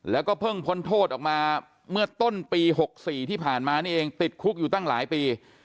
แล้วก็เพิ่งพ้นโทษออกมาเมื่อต้นปี๖๔ที่ผ่านมานี่เองติดคุกอยู่ตั้งหลายปี